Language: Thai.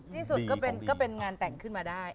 ที่สุดก็เป็นงานแต่งขึ้นมาได้